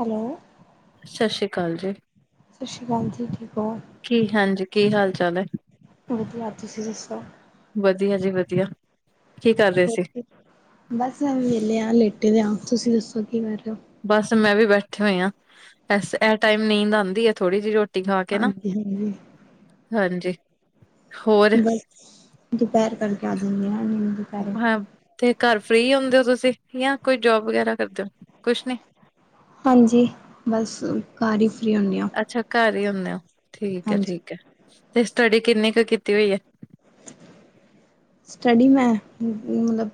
Hello, ਸਤਿ ਸ੍ਰੀ ਅਕਾਲ ਜੀ, ਸਤਿ ਸ਼੍ਰੀ ਅਕਾਲ ਜੀ ਠੀਕ ਹੋ ਕੀ ਹਾਂਜੀ ਕੀ ਹਾਲ ਚਾਲ ਐ? ਵਧੀਆ, ਤੁਸੀਂ ਦੱਸੋ? ਵਧੀਆ ਜੀ ਵਧੀਆ। ਕੀ ਕਰ ਰਹੇ ਹੋਰ ਸੀ ਜੀ ਬਸ ਵਿਹਲੇ ਆ ਲੇਟੇ ਦੇ ਆ ਤੁਸੀਂ ਦੱਸੋ ਕੀ ਕਰ ਰੇ ਔ? ਬਸ ਮੈਂ ਵੀ ਬੈਠੇ ਹੋਏ ਆ ਐਸ ਇਹ ਟਾਈਮ ਨੀਂਦ ਆਦੀ ਐ ਥੋੜ੍ਹੀ ਜਿਹੀ ਰੋਟੀ। ਰੋਟੀ ਖਾ ਕੇ ਨਾ, ਹਾਂਜੀ ਹਾਂਜੀ ਹਾਂਜੀ। ਹੋਰ ਬਸ, ਦੁਪਹਿਰ ਕਰਕੇ ਆ ਜਾਂਦੀ ਐ ਨਾ ਨੀਂਦ ਜੀ। ਹਾਂ, ਤੇ ਘਰ ਫ੍ਰਰੀ ਹੁੰਦੇ ਔ ਤੁਸੀਂ ਜਾਂ ਕੋਈ ਜੋਬ ਵਗੈਰਾ ਕਰਦੇ ਔ ਕੁਛ ਨੀ। ਹਾਂਜੀ, ਬਸ ਘਰ ਈ ਫ੍ਰੀ ਹੁਨੀ ਆ। ਅੱਛਾ ਘਰ ਹੀ ਹੁੰਦੇ ਔ, ਠੀਕ ਐ ਠੀਕ ਐ ਤੇ ਸਟੱਡੀ ਕਿੰਨੀ ਕੁ ਕੀਤੀ ਹੋਈ ਹੈ? ਸਟੱਡੀ ਮੈਂ ਮਤਲਬ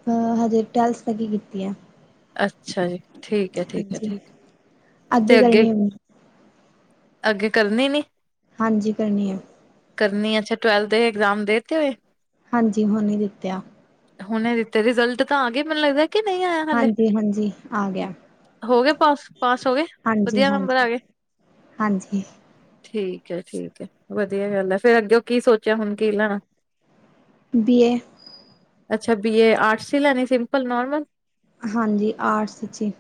ਹਜੇ ਟਵੈਲਥ ਤੱਕ ਕੀਤੀ ਐ। ਅੱਛਾ ਜੀ, ਠੀਕ ਐ ਠੀਕ ਐ ਹਾਂਜੀ ਠੀਕ ਐ ਤੇ ਅੱਗੇ। ਕਰਨੀ ਹੈ ਅੱਗੇ ਕਰਨੀ ਨੀ? ਹਾਂਜੀ ਕਰਨੀ ਐ। ਕਰਨੀ ਐ ਅੱਛਾ ਟਵੈਲਥ ਦੇ ਐਗਜ਼ਾਮ ਦੇ ਦੇਤੇ? ਹਾਂਜੀ, ਹੁਣੀ ਦਿੱਤੇ ਆ। ਹੁਣੇ ਦਿੱਤੇ ਰਿਜਲਟ ਤਾਂ ਆ ਗਏ ਮੈਨੂੰ ਲੱਗਦਾ। ਕਿ ਨਹੀਂ ਆਇਆ ਹਾਲੇ ਹਾਂਜੀ-ਹਾਂਜੀ ਆ ਗਿਆ, ਹੋ ਗਏ ਪਾਸ, ਪਾਸ ਹੋ ਗਏ ਹਾਂਜੀ ਵਧੀਆ ਨੰਬਰ ਆ ਹਾਂਜੀ ਗਏ। ਹਾਂਜੀ ਠੀਕ ਐ ਠੀਕ ਐ ਵਧੀਆ ਗੱਲ ਐ, ਫੇਰ ਅੱਗਿਓਂ ਕੀ ਸੋਚਿਆ ਹੁਣ ਕੀ ਲੈਣਾ। B A. ਅੱਛਾ ਬੀਏ ਆਰਟਸ ਹੀ ਲੈਣੀ ਸਿੰਪਲ ਨੋਰਮਲ। ਹਾਂਜੀ ਆਰਟਸ ਚ ਈ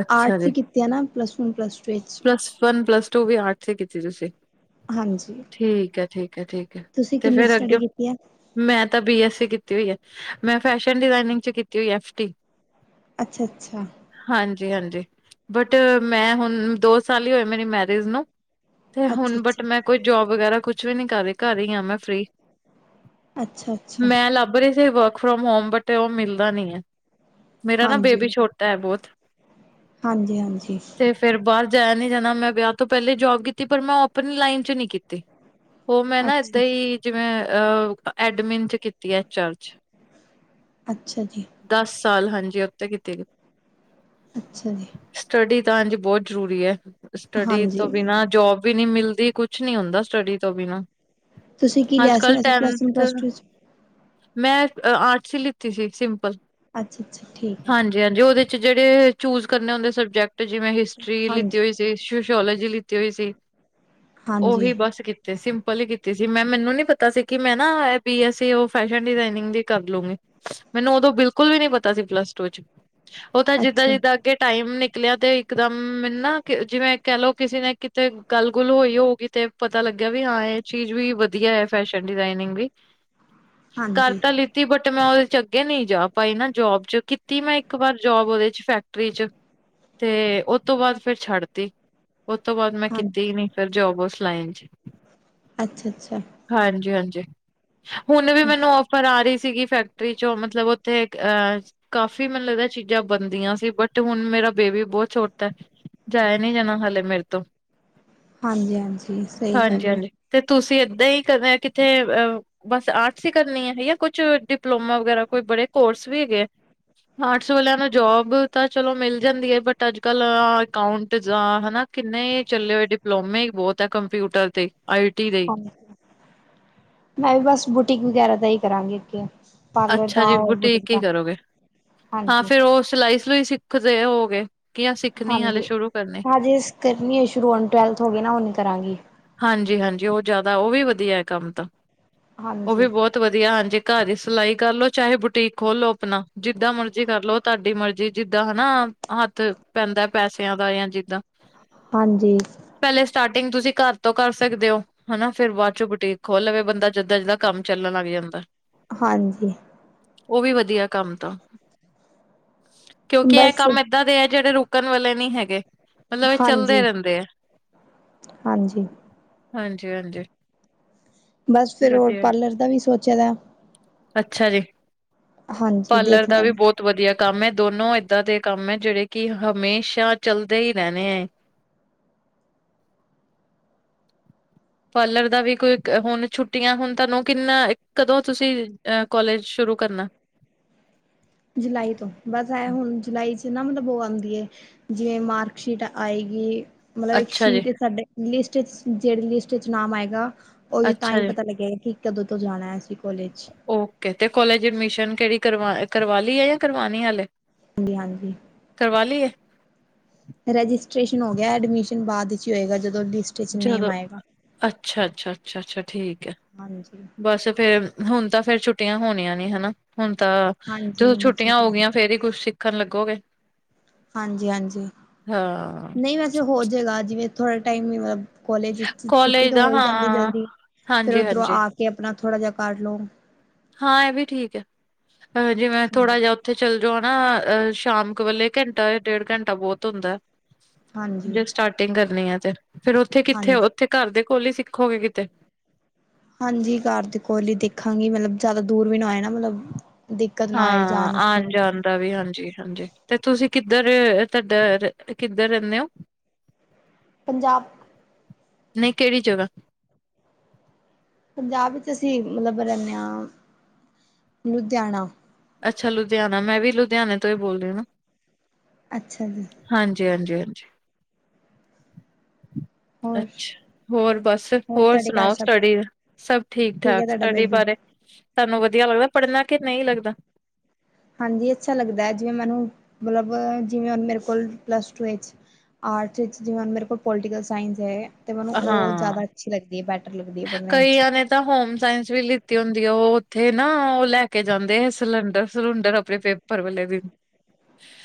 ਅੱਛਾ ਆਰਟਸ ਜੀ। ਹੀ ਕੀਤੇ ਆ ਨਾ ਪਲੱਸ ਵਨ ਪਲੱਸ ਟੂ ਵਿੱਚ। ਪਲੱਸ ਵਨ ਪਲੱਸ ਟੂ ਵੀ ਆਰਟਸ। 'ਚ ਕੀਤੀ ਤੁਸੀਂ। ਹਾਂਜੀ! ਠੀਕ ਹੈ, ਠੀਕ ਹੈ, ਠੀਕ ਹੈ, ਤੁਸੀਂ ਤੇ ਕਿੰਨੀ ਫੇਰ ਅੱਗੇ ਸਟੱਡੀ ਕੀਤੀ ਹੈ ਮੈਂ ਤਾਂ ਬੀ ਐੱਸ ਸੀ। ਕੀਤੀ ਹੋਈ ਹੈ। ਮੈਂ ਫੈਸ਼ਨ ਡਿਜ਼ਾਇਨਿੰਗ 'ਚ ਕੀਤੀ ਹੋਈ ਹੈ ਐਫ ਟੀ। ਅੱਛਾ, ਅੱਛਾ। ਹਾਂਜੀ, ਹਾਂਜੀ ਬਟ ਮੈਂ ਹੁਣ ਦੋ ਸਾਲ ਹੀ ਹੋਏ ਮੇਰੀ ਮੈਰਿਜ ਨੂੰ। ਤੇ ਅੱਛਾ ਅੱਛਾ ਹੁਣ ਬਟ ਮੈਂ ਕੋਈ ਜੋਬ ਵਗੈਰਾ ਕੁਛ ਵੀ ਨੀ ਕਰ ਰਹੀ ਘਰ ਹੀ ਆ ਮੈਂ ਫਰੀ। ਅੱਛਾ ਅੱਛਾ ਮੈਂ ਲੱਭ ਰਹੀ ਸੀ ਵਰਕ ਫਰੋਮ ਹੋਮ ਬਟ ਉਹ ਮਿਲਦਾ ਨੀ ਏ ਮੇਰਾ ਨਾ ਹਾਂਜੀ ਬੇਬੀ ਛੋਟਾ ਹੈ ਬਹੁਤ ਹਾਂਜੀ ਹਾਂਜੀ ਤੇ ਫੇਰ ਬਾਹਰ ਜਾਇਆ ਨੀ ਜਾਣਾ ਮੈਂ ਵਿਆਹ ਤੋਂ ਪਹਿਲੇ ਜੋਬ ਕੀਤੀ ਪਰ ਮੈਂ ਉਹ ਆਪਣੀ ਲਾਈਨ ਚ ਨੀ ਕੀਤੀ ਉਹ ਮੈਂ ਨਾ ਅੱਛਾ ਇਦਾਂ ਹੀ ਜਿਵੇਂ ਅ ਐਡਮਿਨ ਚ ਕੀਤੀ ਹੈ ਐਚ ਆਰ ਚ। ਅੱਛਾ ਜੀ ਦਸ ਸਾਲ ਹਾਂਜੀ ਉਥੇ ਕੀਤੇ ਅੱਛਾ ਜੀ ਸਟੱਡੀ ਤਾਂ ਹਾਂਜੀ ਬਹੁਤ ਜ਼ਰੂਰੀ ਹੈ ਸਟੱਡੀ ਹਾਂਜੀ ਤੋਂ ਬਿਨਾਂ ਜੋਬ ਵੀ ਨੀ ਮਿਲਦੀ ਕੁਛ ਨੀ ਹੁੰਦਾ ਸਟੱਡੀ ਤੋਂ ਬਿਨਾ ਤੁਸੀਂ ਕੀ ਅੱਜ ਲਿਆ ਸੀ ਕੱਲ ਵੈਸੇ plus one tenth plus two 'ਚ ਮੈਂ ਆਰਟਸ ਹੀ ਲਿੱਤੀ ਸੀ ਸਿੰਪਲ ਅੱਛਾ ਅੱਛਾ ਠੀਕ ਹੈ ਜੀ ਹਾਂਜੀ ਉਹਦੇ ਚ ਜਿਹੜੇ ਚੂਜ ਕਰਨੇ ਹੁੰਦੇ ਸਬਜੈਕਟ ਜਿਵੇਂ ਹਿਸਟਰੀ ਲਿੱਤੀ ਹਾਂਜੀ ਹੋਈ ਸੀ ਸੋਸ਼ੋਲੋਜੀ ਲਿੱਤੀ ਹੋਈ ਸੀ ਹਾਂਜੀ ਉਹੀ ਬਸ ਤੇ ਸਿੰਪਲ ਹੀ ਕੀਤੀ ਸੀ ਮੈਂ ਮੈਨੂੰ ਨੀ ਪਤਾ ਸੀ ਕਿ ਮੈਂ ਨਾ B S C fashion designing ਦੀ ਕਰ ਲਉਗੇ ਮੈਨੂੰ ਉਦੋਂ ਬਿਲਕੁਲ ਵੀ ਨੀ ਪਤਾ ਸੀ ਪਲੱਸ ਟੂ ਚ ਉਹ ਤਾਂ ਜਿੱਦਾਂ ਅੱਛਾ ਜਿਦਾਂ ਅੱਗੇ ਟਾਈਮ ਨਿਕਲਿਆ ਤੇ ਇਕਦਮ ਮੈਨੂੰ ਨਾ ਜਿਵੇਂ ਕਹਿਲੋ ਕਿਸੇ ਨੇ ਤੇ ਗੱਲ ਗੁੱਲ ਹੋਈ ਹੋਉਗੀ ਤੇ ਪਤਾ ਲੱਗਿਆ ਵੀ ਹਾਂ ਇਹ ਚੀਜ਼ ਵੀ ਵਧੀਆ ਹੈ ਫੈਸ਼ਨ ਡਿਜ਼ਾਇਨਿੰਗ ਵੀ ਕਰ ਹਾਂਜੀ ਤਾ ਲਿ ਲਿਤੀ ਬਟ ਮੈਂ ਉਹਦੇ ਚ ਅੱਗੇ ਨਹੀਂ ਜਾ ਪਾਈ ਨਾ ਜੋਬ ਚ ਕੀਤੀ ਮੈਂ ਇੱਕ ਵਾਰ ਜੋਬ ਉਹਦੇ ਚ ਫੈਕਟਰੀ ਚ ਤੇ ਉਹ ਤੋਂ ਬਾਅਦ ਫੇਰ ਛੱਡ ਤੀ ਉਹ ਤੋਂ ਬਾਅਦ ਮੈਂ ਹਾਂਜੀ ਕੀਤੀ ਹੀ ਨਹੀਂ ਫਿਰ ਜੋਬ ਉਸ ਲਾਈਨ 'ਚ ਅੱਛਾ ਅੱਛਾ ਹਾਂਜੀ ਹਾਂਜੀ ਹੁਣ ਵੀ ਮੈਨੂੰ ਫਰਾਰੀ ਸੀਗੀ ਫੈਕਟਰੀ ਚੋਂ ਮਤਲਬ ਉੱਥੇ ਇਕ ਅਹ ਕਾਫ਼ੀ ਮੈਨੂੰ ਲੱਗਦਾ ਚੀਜ਼ਾਂ ਬਣਦੀਆਂ ਸੀ ਬਟ ਹੁਣ ਮੇਰਾ ਬੇਬੀ ਬਹੁਤ ਛੋਟਾ ਜਾਇਆ ਨਹੀਂ ਜਾਣਾ ਹਾਲੇ ਮੇਰੇ ਤੋਂ ਹਾਂਜੀ ਹਾਂਜੀ ਸਹੀ ਹਾਂਜੀ ਗੱਲ ਏ ਹਾਂਜੀ ਤੇ ਤੁਸੀਂ ਏਦਾਂ ਹੀ ਕਦੇ ਕਿਥੇ ਅਹ ਬਸ ਆ ਸੀ ਕਰਨੀ ਹੈ ਜਾਂ ਕੁਛ ਡਿਪਲੋਮਾ ਵਗੈਰਾ ਕੋਈ ਬੜੇ ਕੋਰਸ ਵੀ ਹੈਗੇ ਆ ਆਰਟਸ ਵਾਲਿਆਂ ਨੂੰ ਜੋਬ ਤਾਂ ਚਲੋ ਮਿਲ ਜਾਂਦੀ ਹੈ ਬਟ ਅੱਜ ਕੱਲ ਅਕਾਊਂਟ ਜਾਂ ਹਨਾ ਕਿੰਨੇ ਚੱਲੇ ਹੋਏ ਡਿਪਲੋਮੇ ਈ ਬਹੁਤ ਹੈ ਕੰਪਿਊਟਰ ਤੇ ਆਈ ਟੀ ਦੇ ਹਾਂ ਮੈਂ ਵੀ ਬਸ ਬੁਟੀਕ ਵਗੈਰਾ ਦਾ ਹੀ ਕਰਾਂਗੀ ਅੱਗੇ ਪਾਰਲਰ ਅੱਛਾ ਦਾ ਜੀ ਔਰ ਬੁਟੀਕ ਹੀ ਦਾ ਕਰੋਗੇ ਹਾਂ ਹਾਂਜੀ ਫੇਰ ਉਹ ਸਿਲਾਈ ਸਲੂਈ ਸਿੱਖਦੇ ਹੋਵੋਗੇ ਕਿਆ ਸਿੱਖਣੀ ਹਾਲੇ ਹਾਂਜੀ ਸ਼ੁਰੂ ਕਰਨੇ ਹਜੇ ਕਰਨੀ ਹੈ ਸ਼ੁਰੂ ਹੁਣ ਟਵੈਲਥ ਹੋ ਗਈ ਨਾ ਹੁਨ ਕਰਾਂਗੀ ਹਾਂਜੀ ਹਾਂਜੀ ਉਹ ਜ਼ਿਆਦਾ ਉਹ ਵੀ ਵਧੀਆ ਹੈ ਕੰਮ ਤਾਂ ਉਹ ਵੀ ਹਾਂਜੀ ਬਹੁਤ ਬਹੁਤ ਵਧੀਆ ਹਾਂਜੀ ਘਰ ਦੀ ਸਿਲਾਈ ਕਰਲੋ ਚਾਹੇ ਬੁਟੀਕ ਖੋਲ ਲੋ ਆਪਣਾ ਜਿੱਦਾਂ ਮਰਜ਼ੀ ਕਰ ਲੋ ਤੁਹਾਡੀ ਮਰਜ਼ੀ ਜਿੱਦਾਂ ਹਨਾ ਹੱਥ ਪੈਂਦਾ ਪੈਸਿਆਂ ਦਾ ਜਾਂ ਜਿੱਦਾਂ, ਹਾਂਜੀ। ਪਹਿਲੇ ਸਟਾਰਟਿੰਗ ਤੁਸੀਂ ਘਰ ਤੋਂ ਕਰ ਸਕਦੇ ਹੋ ਹਨਾ ਫੇਰ ਬਾਅਦ ਚੋਂ ਬੁਟੀਕ ਖੋਲ ਲਵੇ ਬੰਦਾ, ਜਿੱਦਾਂ ਜਿੱਦਾਂ ਕੰਮ ਚੱਲਣ ਲੱਗ ਜਾਂਦਾ। ਹਾਂਜੀ ਉਹ ਵੀ ਵਧੀਆ, ਕੰਮ ਤਾਂ ਕਿਉਂਕਿ ਇਹ ਬਸ ਕੰਮ ਏਦਾਂ ਦੇ ਹੈ ਜਿਹੜੇ ਰੁਕਣ ਵਾਲੇ ਨਹੀ ਹੈਗੇ। ਮਤਲਬ ਇਹ ਚੱਲਦੇ ਹਾਂਜੀ, ਰਹਿੰਦੇ ਆ ਹਾਂਜੀ। ਹਾਂਜੀ, ਹਾਂਜੀ। ਬਸ ਫਿਰ ਹੋਰ ਵਧੀਆ ਪਾਰਲਰ ਦਾ ਵੀ ਸੋਚੇ ਦਾ, ਅੱਛਾ ਜੀ। ਹਾਂਜੀ ਪਾਰਲਰ ਦਾ ਦੇਖਣੇ ਵੀ ਆ ਬਹੁਤ, ਵਧੀਆ ਕੰਮ ਹੈ ਦੋਨੋ ਇੱਹਦਾਂ ਦੇ ਕੰਮ ਹੈ ਜਿਹੜੇ ਕਿ ਹਮੇਸ਼ਾ ਚੱਲਦੇ ਹੀ ਰਹਣੇ ਹੈ। ਪਾਰਲਰ ਦਾ ਵੀ ਕੋਈ ਹੁਣ ਛੁੱਟੀਆਂ ਹੁਣ ਤੁਹਾਨੂੰ ਕਿੰਨਾ ਕਦੋਂ ਤੁਸੀਂ ਅ ਕੋਲਜ ਸ਼ੁਰੂ ਕਰਨਾ। ਜੁਲਾਈ ਤੋਂ ਬਸ ਇਹ ਹੁਣ ਜੁਲਾਈ ਚ ਨਾ ਮਤਲਬ ਉਹ ਆਂਦੀ ਏ। ਜਿਵੇਂ ਮਾਰਕਸ਼ੀਟ ਆਏਗੀ। ਮਤਲਬ ਇੱਕ ਅੱਛਾ ਜੀ ਸ਼ੀਟ ਸਾਡੇ ਲਿਸਟ ਜਿਹੜੀ ਲਿਸਟ ਚ ਨਾਮ ਆਏਗਾ। ਉਹੀ ਤਾਂ ਅੱਛਾ ਹੀ ਤਾ ਜੀ ਪਤਾ ਲੱਗੇ ਗਾ ਕਿ ਕਦੋਂ ਤੋਂ ਜਾਣਾ ਅਸੀ ਕੋਲੇਜ, ਓਕੇ ਤੇ ਕੋਲੇਜ ਐਡਮਿਸ਼ਨ ਕਿਹੜੀ ਕਰਵਾ ਕਰਵਾ ਲਈ ਏ ਯਾ ਕਰਵਾਣੀ ਏ ਹਲੇ, ਹਾਂਜੀ, ਹਾਂਜੀ ਕਰਵਾ ਲੀ ਏ, ਰਜਿਸਟ੍ਰੇਸ਼ਨ ਹੋ ਗਿਆ ਐਡਮਿਸ਼ਨ ਬਾਅਦ ਵਿੱਚ ਹੀ ਹੋਏਗਾ ਜਦੋਂ ਲਿਸਟ, ਚ ਨੇਮ ਜਦੋਂ ਆਏਗਾ ਅੱਛਾ, ਅੱਛਾ, ਅੱਛਾ ਅੱਛਾ ਠੀਕ ਹੈ ਹਾਂਜੀ ਬਸ ਫੇਰ, ਹੁਣ ਤਾਂ ਫੇਰ ਛੁੱਟੀਆਂ ਹੋਣੀਆਂ ਨੇ ਹਨਾ ਹੁਣ ਤਾਂ ਹਾਂਜੀ ਜਦੋਂ ਛੁੱਟੀਆਂ ਹੋ ਠੀਕ ਗਈਆਂ। ਫ਼ੇਰ ਈ ਕੁਛ ਸਿੱਖਨ ਲੱਗੋਗੇ। ਹਾਂਜੀ-ਹਾਂਜੀ, ਹਾਂ ਨਈ ਵੈਸੇ ਹੋਜੇਗਾ ਜਿਵੇਂ ਥੋੜੇ ਟਾਈਮ ਵੀ ਮਤਲਬ ਕੋਲੇਜ ਛੁੱਟੀ ਕੋਲਜ ਤੇ ਦਾ ਹੋ ਈ ਜਾਂਦੀ ਹਾਂ ਜਲਦੀ, ਫੇਰ ਹਾਂਜੀ ਓਦਰੋਂ ਹਾਂਜੀ ਆ ਕੇ ਆਪਨਾ ਥੋੜਾ ਜਾ ਕਰ ਲੋ। ਹਾਂ ਐ ਵੀ ਠੀਕ ਐ, ਅ ਜਿਵੇਂ ਹਾਂਜੀ ਥੋੜਾ ਜਾ ਓਥੇ ਚੱਲਜੋ ਹਨਾ ਅ ਸ਼ਾਮ ਕ ਵੇਲੇ ਘੰਟਾ ਜਾਂ ਡੇਢ ਘੰਟਾ ਬੋਤ ਹੁੰਦੈ। ਹਾਂਜੀ ਜੇ ਸਟਾਟਿੰਗ ਕਰਨੀ ਐ ਤੇ ਫੇਰ ਓਥੇ ਕਿੱਥੇ ਹਾਂਜੀ, ਓਥੇ ਘਰ ਦੇ ਕੋਲ ਈ ਸਿੱਖੋਗੇ ਕਿਤੇ। ਹਾਂਜੀ ਘਰ ਦੇ ਕੋਲ ਈ ਦੇਖਾਂਗੀ ਮਤਲਬ ਜਾਦਾ ਦੂਰ ਵੀ ਨਾ ਹੋਏ ਨਾ ਮਤਲਬ। ਦਿੱਕਤ ਨਾ ਆਏ ਹਾਂ ਜਾਣ ਵਾਸਤੇ ਆਨ ਵੀ ਜਾਨ ਦਾ ਵੀ ਹਾਂਜੀ-ਹਾਂਜੀ ਤੇ ਤੁਸੀਂ ਕਿੱਦਰ ਤਾਡਾ ਕਿੱਦਰ ਰੈਂਦੇ ਓਂ। [inaudible] ਪੰਜਾਬ ਨਈਂ ਕੇੜੀ ਜਗਾ ਪੰਜਾਬ ਵਿੱਚ ਅਸੀਂ ਮਤਲਬ ਰੈਂਨੇ ਆਂ, ਲੁਧਿਆਣਾ ਅੱਛਾ ਲੁਧਿਆਣਾ ਮੈਂ ਵੀ ਲੁਧਿਆਣੇ ਤੋਂ ਈ ਬੋਲ ਰਈ ਆਂ ਨਾ। ਅੱਛਾ ਜੀ। ਹਾਂਜੀ-ਹਾਂਜੀ-ਹਾਂਜੀ। ਹੋਰ ਅੱਛਾ, ਹੋਰ ਬਸ ਹੋਰ ਤੁਹਾਡੇ ਘਰ ਸਨਾਓ ਸਭ ਸਟੱਡੀ, ਠੀਕ ਸਬ ਠੀਕ ਹੈ ਠਾਕ ਤੁਹਾਡਾ ਸਟੱਡੀ ਬੇਬੀ ਬਾਰੇ ਤਾਨੂੰ ਵਦੀਆ ਲੱਗਦਾ ਪੜਨਾ ਕੇ ਨਈਂ ਲੱਗਦਾ। ਹਾਂਜੀ ਅੱਛਾ ਲੱਗਦੈ ਜਿਵੇਂ ਮੈਨੂੰ ਮਤਲਬ ਜਿਵੇਂ ਮੇਰੇ ਕੋਲ ਪਲੱਸ ਟੂ ਵਿੱਚ ਆਰਟਸ ਦੇ ਵਿੱਚ ਜਿਵੇਂ ਮੇਰੇ ਕੋਲ ਪੋਲੀਟੀਕਲ ਸਾਇੰਸ ਐ। ਤੇ ਮੈਨੂੰ ਓ ਹਾਂ ਜਾਦਾ ਅੱਛੀ ਲੱਗਦੀ ਏ ਬੈਟਰ ਲੱਗਦੀ ਏ ਪੜਨੇ ਵਿੱਚ। ਕਈਆਂ ਨੇ ਤਾਂ ਹੋਮ ਸਾਇੰਸ ਵੀ ਲਿੱਤੀ ਹੁੰਦੀ ਐ ਓ ਓਥੇ ਨਾ ਓ ਲੈ ਕੇ ਜਾਂਦੇ ਐ ਸਿਲੰਡਰ ਸੁਲੰਡਰ ਆਪਨੇ ਪੇਪ ਪਰ ਵੇਲੇ ਵੀ।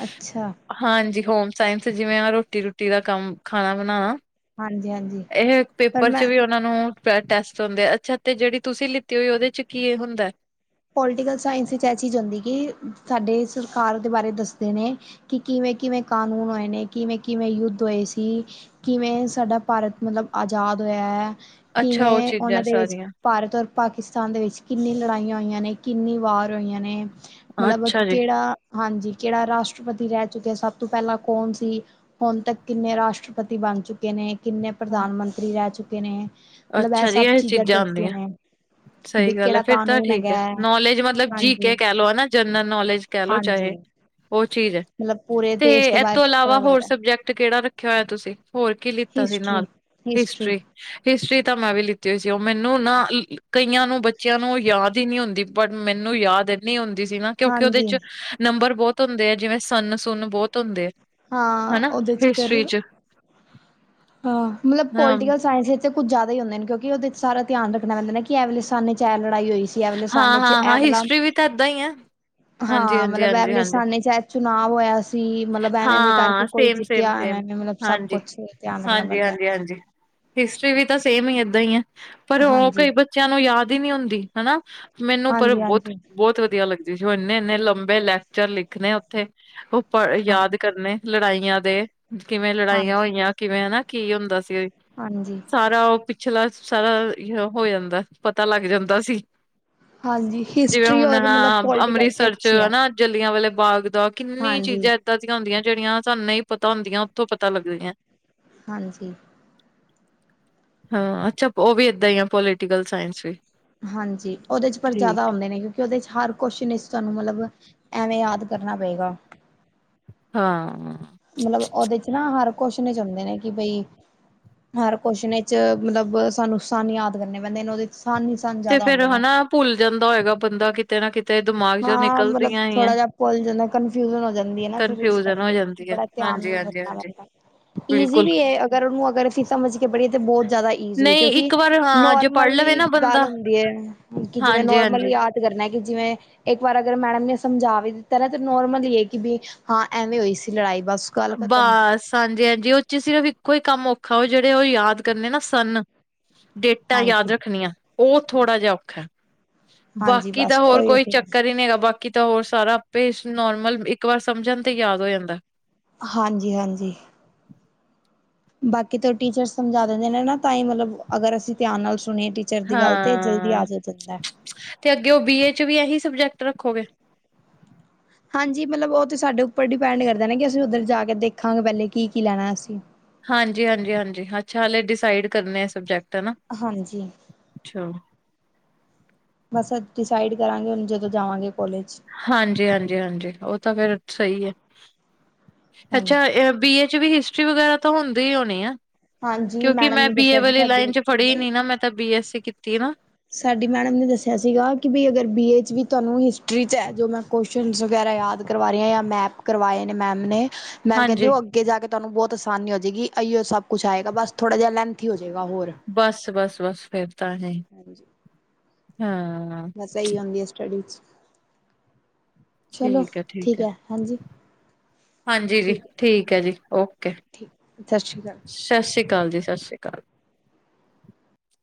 ਅੱਛਾ ਹਾਂਜੀ ਹੋਮ ਸਾਇੰਸ ਜਿਵੇਂ ਰੋਟੀ ਰੂਟੀ ਦਾ ਕੰਮ ਖਾਣਾ ਬਣਾਣਾ ਹਾਂਜੀ ਹਾਂਜੀ ਇਹ ਇੱਕ ਪਰ ਪੇਪਰ ਚ ਮੈਂ ਵੀ ਨੂੰ ਟੈਸਟ ਹੁੰਦੇ ਅੱਛਾ ਤੇ ਜਿਹੜੀ ਤੁਸੀਂ ਲਿੱਤੀ ਹੋਈ ਉਹਦੇ ਚ ਕੀ ਹੁੰਦੈ ਪੋਲੀਟੀਕਲ ਸਾਇੰਸ ਵਿੱਚ ਇਹ ਚੀਜ਼ ਹੋੰਦੀ ਕਿ ਸਾਡੇ ਸਰਕਾਰ ਦੇ ਬਾਰੇ ਦੱਸਦੇ ਨੇ ਕਿ ਕਿਵੇਂ ਕਿਵੇਂ ਕਾਨੂੰਨ ਹੋਏ ਨੇ ਕਿਵੇਂ ਕਿਵੇਂ ਯੁੱਧ ਹੋਏ ਸੀ ਕਿਵੇਂ ਸਾਡਾ ਭਾਰਤ ਮਤਲਬ ਆਜ਼ਾਦ ਹੋਇਆ ਹੈ ਅੱਛਾ ਉਹ ਕਿਵੇਂ ਉਹਨਾਂ ਚੀਜ਼ਾਂ ਦੇ ਵਿੱਚ ਸਾਰੀਆਂ ਭਾਰਤ ਔਰ ਪਾਕਿਸਤਾਨ ਦੇ ਵਿੱਚ ਕਿੰਨੀ ਲੜਾਈਆਂ ਹੋਈਆਂ ਨੇ ਕਿੰਨੀ ਵਾਰ ਹੋਈਆਂ ਨੇ ਮਤਲਬ ਅੱਛਾ ਜੀ ਕਿਹੜਾ ਹਾਂਜੀ ਕਿਹੜਾ ਰਾਸ਼ਟਰਪਤੀ ਰੈ ਚੁੱਕਿਆ ਸਭ ਤੋਂ ਪੈਲਾਂ ਕੌਣ ਸੀ ਹੁਣ ਤੱਕ ਕਿੰਨੇ ਰਾਸ਼ਟਰਪਤੀ ਬਣ ਚੁੱਕੇ ਨੇ ਕਿੰਨੇ ਪ੍ਰਧਾਨ ਮੰਤਰੀ ਰਹਿ ਚੁੱਕੇ ਨੇ ਮਤਲਬ ਅੱਛਾ ਜੀ ਸਭ ਇਹ ਚੀਜ਼ਾਂ ਦੱਸਦੀਆਂ ਆਂਦੀਆਂ ਨੇ ਵੀ ਸਹੀ ਗੱਲ ਕਿਹੜਾ ਫੇਰ ਤਾਂ ਕਾਨੂੰਨ ਠੀਕ ਠੀਕ ਹੈਗਾ ਹੈ ਨੌਲੇਜ ਮਤਲਬ ਜੀ ਹਾਂਜੀ, ਕੇ ਕਹਿ ਲੋ ਹਨਾ ਜਨਰਲ ਨੌਲੇਜ ਕਹਿ ਲੋ ਹਾਂਜੀ ਚਾਹੇ ਉਹ ਚੀਜ਼ ਹੈ ਮਤਲਬ ਪੂਰੇ ਤੇ ਦੇਸ਼ ਦੇ ਇਹ ਬਾਰੇ ਤੋਂ ਇਲਾਵਾ ਪਤਾ ਹੋਰ ਲੱਗਦਾ ਸਬਜੈਕਟ ਕਿਹੜਾ ਰੱਖਿਆ ਹੋਇਆ ਤੁਸੀਂ ਹੋਰ ਕੀ ਲਿੱਤਾ ਸੀ ਹਿਸਟਰੀ, ਨਾਲ ਹਿਸਟਰੀ ਹਿਸਟਰੀ ਤਾਂ ਮੈਂ ਵੀ ਲਿੱਤੀ ਹੋਈ ਸੀ ਉਹ ਮੈਨੂੰ ਨਾ ਕਈਆਂ ਨੂੰ ਬੱਚਿਆਂ ਨੂੰ ਯਾਦ ਹੀ ਨਹੀਂ ਹੁੰਦੀ ਬਟ ਮੈਨੂੰ ਯਾਦ ਏ। ਨਹੀਂ ਹੁੰਦੀ ਸੀ ਨਾ ਕਿਉਂਕਿ ਉਹਦੇ ਹਾਂਜੀ ਚ ਨੰਬਰ ਬਹੁਤ ਹੁੰਦੇ ਆ ਜਿਵੇਂ ਸੰਨ ਸੁਨ ਬੋਤ ਹੁੰਦੇ ਆ। ਹਾਂ ਹਨਾ ਉਹਦੇ ਚ ਫਿਰ ਹਿਸਟਰੀ ਚ ਹਾਂ ਮਤਲਬ ਹਾਂ ਪੋਲੀਟੀਕਲ ਸਾਇੰਸ ਵਿੱਚ। ਤੇ ਕੁੱਝ ਜਿਆਦਾ ਹੀ ਹੁੰਦੇ ਨੇ ਕਿਉਂਕਿ ਉਹਦੇ ਸਾਰਾ ਧਿਆਨ ਰੱਖਣਾ ਪੈਂਦਾ ਨੇ ਕਿ ਐ ਵਾਲੇ ਸੰਨ ਵਿੱਚ ਐ ਲੜਾਈ ਹੋਈ ਸੀ। ਕਿ ਐ ਵਾਲੇ ਹਾਂ ਸੰਨ ਚ ਹਾਂ ਐ ਹਾਂ ਵਲਾ ਹਿਸਟਰੀ ਵੀ ਤਾਂ ਏਦਾਂ ਹੀ ਹੈ ਹਾਂਜੀ ਹਾਂ ਹਾਂਜੀ ਮਤਲਬ ਐ ਹਾਂਜੀ ਵਾਲੇ ਹਾਂਜੀ ਸੰਨ ਚ ਚੁਨਾਵ ਹੋਇਆ ਸੀ। ਐਵੇ‍‍, ਐਵੇਂ ਕਰਕੇ ਹਾਂ ਕੋਈ ਸੇਮ ਸੇਮ ਜਿੱਤਿਆ ਐਵੇ, ਸੇਮ ਐਵੇਂ ਮਤਲਬ ਸਭ ਹਾਂਜੀ ਕੁੱਛ ਧਿਆਨ ਰੱਖਣਾ ਹਾਂਜੀ ਪੈਂਦਾ। ਹਾਂਜੀ ਹਾਂਜੀ ਹਿਸਟਰੀ ਵੀ ਤਾਂ ਸੇਮ ਹੀ ਏਦਾਂ ਹੀ ਹੈ ਪਰ ਉਹ ਹਾਂਜੀ, ਕਈ ਬੱਚਿਆਂ ਨੂੰ ਯਾਦ ਹੀ ਨਹੀਂ ਹੁੰਦੀ ਹਨਾ। ਮੈਨੂੰ ਪਰ ਹਾਂਜੀ, ਬੋਤ ਹਾਂਜੀ, ਬੋਤ ਵਧੀਆ ਲੱਗਦੀ ਜੋ ਉਹ ਇੰਨੇ, ਇੰਨੇ ਲੰਬੇ ਲੈਕਚਰ ਲਿਖਣੇ ਉੱਥੇ ਹਾਂਜੀ, ਯਾਦ ਕਰਨੇ ਲੜਾਈਆਂ ਦੇ ਕਿਵੇਂ ਲੜਾਈਆਂ ਹਾਂਜੀ, ਹੋਈਆਂ ਕਿਵੇਂ ਹਨਾ ਕੀ ਹੁੰਦਾ ਸੀ। ਹਾਂਜੀ। ਸਾਰਾ ਉਹ ਪਿਛਲਾ ਸਾਰਾ ਹੋ ਜਾਂਦਾ ਪਤਾ ਲੱਗ ਜਾਂਦਾ ਸੀ। ਹਾਂਜੀ ਜਿਵੇਂ ਹਿਸਟਰੀ ਹੁਣ ਔਰ ਮਤਲਬ ਹਾਂ ਪੋਲੀਟੀਕਲ ਤੇ ਅੰਮ੍ਰਿਤਸਰ ਚ ਅੱਛੀ ਹੈ। ਨਾ ਜਲਿਆਂ ਵਾਲੇ ਬਾਗ ਦਾ ਕਿੰਨੀ ਚੀਜ਼ ਹਾਂਜੀ ਕਿਦਾਂ ਦੀਆਂ ਹੁੰਦੀਆਂ ਜਿਹੜੀਆਂ ਸਾਨੂੰ ਨਹੀਂ ਪਤਾ ਹੁੰਦੀਆਂ ਉੱਥੋਂ ਪਤਾ ਲੱਗਦੀਆਂ। ਹਾਂਜੀ। ਹਾਂ ਅੱਛਾ ਉਹ ਵੀ ਏਦਾਂ ਹੀ ਆ ਪੋਲੀਟੀਕਲ ਸਾਇੰਸ ਵੀ ਹਾਂਜੀ ਉਹਦੇ ਚ ਪਰ ਠੀਕ ਜ਼ਿਆਦਾ ਆਉਂਦੇ ਨੇ ਕਿ ਕਿ ਉਹਦੇ ਚ ਹਰ ਕੋਸ਼ ਚਨ ਇਸ ਤੁਹਾਨੂੰ ਮਤਲਬ ਐਵੇਂ ਯਾਦ ਕਰਨਾ ਪਏਗਾ। ਹਾਂ। ਮਤਲਬ ਉਹਦੇ ਚ ਨਾ ਹਰ ਕੁਸ਼ ਚ ਨ ਚ ਹੁੰਦੇ ਨੇ ਕਿ ਬਈ ਹਰ ਕੋਸ਼ਨ ਵਿੱਚ ਮਤਲਬ ਸਾਨੂੰ ਸੰਨ ਯਾਦ ਕਰਨੇ ਪੈਂਦੇ ਨੇ ਉਹਦੇ ਸੰਨ ਤੇ ਫੇਿਰ ਹਨਾ ਭੁੱਲ ਜਾਂਦਾ ਹੋਏਗਾ ਬੰਦਾ ਕਿਤੇ ਨਾ ਕਿਤੇ ਦਿਮਾਗ ਚੋਂ ਹਾਂ ਮਤਲਬ ਨਿਕਲਦੀਆਂ ਹੀ ਹੈ। ਥੋੜਾ ਜਿਹਾ ਭੁੱਲ ਜਾਂਦਾ ਕੰਨਫਿਊਜਨ ਹੋ ਜਾਂਦੀ ਹੈ ਨਾ ਫਿਰ ਇਸ ਕਨਫਿਊਜਨ ਹੋ ਕਰਕੇ ਜਾਂਦੀ ਹੈ। ਬੜਾ ਧਿਆਨ ਹਾਂਜੀ, ਨੂੰ ਹਾਂਜੀ, ਰੱਖਣਾ ਹਾਂਜੀ। ਪੈਂਦਾ। ਈਜ਼ੀ ਬਿਲਕੁਲ ਵੀ ਹੈ ਅਗਰ ਉਹਨੂੰ ਅਗਰ ਅਸੀਂ ਸਮਝ ਕੇ ਪੜ੍ਹੀਏ ਤਾਂ ਬਹੁਤ ਜ਼ਿਆਦਾ ਈਜ਼ੀ ਹੈ ਨਹੀਂ ਕਿਉਂਕਿ ਇੱਕ ਵਾਰ ਹਾਂ ਜੇ ਨੋਰਮਲ ਮਲਬ ਪੜ੍ਹ ਲਵੇ ਕੀ ਨਾ ਗੱਲ ਬੰਦਾ ਹੁੰਦੀ ਹੈ ਕਿ ਜਿਵੇਂ ਹਾਂਜੀ, ਨੋਰਮਲ ਹਾਂਜੀ। ਯਾਦ ਕਰਨਾ ਕਿ ਜਿਵੇਂ ਇੱਕ ਵਾਰ ਅਗਰ ਮੈਡਮ ਨੇ ਸਮਝਾ ਵੀ ਦਿੱਤਾ ਨਾ ਤਾਂ ਨੋਰਮਲ ਇਹ ਕਿ ਵੀ ਹਾਂ ਐਵੇਂ ਹੋਈ ਸੀ ਲੜਾਈ ਬਸ ਗੱਲ ਖਤਮ ਬਸ ਹਾਂਜੀ ਹਾਂਜੀ ਉਹ ਚ ਸਿਰਫ਼ ਇੱਕੋ ਹੀ ਕੰਮ ਔਖਾ ਉਹ ਜਿਹੜੇ ਉਹ ਯਾਦ ਕਰਨੇ ਨਾ ਸੰਨ ਡੇਟਾਂ ਯਾਦ ਹਾਂਜੀ ਰੱਖਣੀਆਂ ਉਹ ਥੋੜ੍ਹਾ ਜਿਹਾ ਔਖਾ। ਹਾਂਜੀ ਬਾਕੀ ਤਾਂ ਬਸ ਔਰ ਉਹੀ ਕੋਈ ਚੱਕਰ ਹੀ ਨਹੀਂ ਹੈਗਾ ਬਾ ਕਿ ਤੇ ਹੋਰ ਸਾਰਾ ਆਪੇ ਨੋਰਮਲ ਇੱਕ ਵਾਰ ਸਮਝਣ ਤੇ ਯਾਦ ਹੋ ਜਾਂਦਾ। ਹਾਂਜੀ- ਹਾਂਜੀ। ਬਾਕੀ ਤਾਂ ਟੀਚਰ ਸਮਝਾ ਦਿੰਦੇ ਨੇ ਨਾ ਤਾਂਹੀ ਮਤਲਬ ਅਗਰ ਅਸੀਂ ਧਿਆਨ ਨਾਲ ਸੁਣੇ ਟੀ ਚਿਰ ਦੀ ਗੱਲ ਤੇ ਜਲਦੀ ਹਾਂ ਆਦ ਜਾਂਦਾ। ਤੇ ਅੱਗੇ ਉਹ ਬੀਏ 'ਚ ਵੀ ਇਹੀ ਸਬਜੈਕਟ ਰੱਖੋਗੇ? ਹਾਂਜੀ ਮਤਲਬ ਉਹ ਤਾਂ ਸਾਡੇ ਉੱਪਰ ਡਿਪੈਂਡ ਕਰਦਾ ਨਾ ਕਿ ਅਸੀਂ ਉੱਧਰ ਜਾ ਕੇ ਦੇਖਾਂਗੇ ਪਹਿਲੇ ਕੀ ਕੀ ਲੈਣਾ ਅਸੀਂ। ਹਾਂਜੀ ਹਾਂਜੀ ਹਾਂਜੀ ਅੱਛਾ ਹਾਲੇ ਡਿਸਾਈਡ ਕਰਨੇ ਆ ਸਬਜੈਕਟ ਹਨਾ। ਹ ਹਾਂਜੀ। ਅੱਛਾ। ਬਸ ਅ ਡਿਸਾਈਡ ਕਰਾਂਗੇ ਹੁਣ ਜਦੋਂ ਜਾਵਾਂਗੇ ਕੋਲੇਜ ਹਾਂਜੀ ਹਾਂਜੀ ਹਾਂਜੀ ਉਹ ਤਾਂ ਫੇਰ ਸਹੀ ਹੈ ਹਾਂਜੀ। ਅੱਛਾ ਬੀ ਏ ਇਹ 'ਚ ਵੀ ਹਿਸਟਰੀ ਵਗੈਰਾ ਤਾਂ ਹੁੰਦੀ ਹੀ ਹੋਣੀ ਆ ਹਾਂਜੀ ਕਿਉਂਕਿ ਮੈਡਮ ਮੈਂ ਨੇ ਬੀਏ ਦੱਸਿਆ ਸੀ ਵਾਲੀ ਲਾਈਨ ਸਾਡੀ 'ਚ ਫੜੀ ਬਈ ਨੀ ਨਾ ਮੈਂ ਤਾ ਬੀ ਐੱਸੀ ਕੀਤੀ ਨਾ। ਸਾਡੀ ਮੈਡਮ ਨੇ ਦੱਸਿਆ ਸੀਗਾ ਕਿ ਬਈ ਅਗਰ ਬੀ ਏ 'ਚ ਵੀ ਤੁਹਾਨੂੰ ਹਿਸਟਰੀ 'ਚ ਹੈ ਜੋ ਮੈਂ ਕੌਸ਼ਨਸ ਵਗੈਰਾ ਯਾਦ ਕਰਵਾ ਰਹੇ ਜਾਂ ਮੈਪ ਕਰਵਾਏ ਨੇ ਮੈਮ ਨੇ ਮੈਮ ਕਹਿੰਦੇ ਹਾਂਜੀ ਉਹ ਅੱਗ ਅੱਗੇ ਜਾ ਕੇ ਤੁਹਾਨੂੰ ਬਹੁਤ ਆਸਾਨੀ ਹੋ ਜਏਗੀ ਇਹੀਓ ਸਭ ਕੁਛ ਆਏਗਾ ਬਸ ਥੋੜ੍ਹਾ ਜਿਹਾ ਲੈਂਥੀ ਹੋ ਜਾਏਗਾ ਹੋਰ। ਬਸ ਬਸ ਬਸ ਫਿਰ ਤਾਂ ਨਹੀ ਹਾਂਜੀ। ਹਾਂ। ਬਸ ਇਹੀ ਹੁੰਦੀ ਸਟੱਡੀ 'ਚ ਚਲੋ ਠੀਕ ਹੈ ਹਾਂਜੀ। ਹਾਂਜੀ ਜੀ ਠੀਕ ਹੈ ਜੀ ਓਕੇ। ਠੀਕ ਸਸ਼੍ਰੀ ਅਕਾਲ। ਸਸ਼੍ਰੀ ਅਕਾਲ ਜੀ ਸਸ਼੍ਰੀ ਅਕਾਲ।